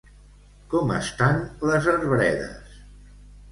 Com estan les arbredes?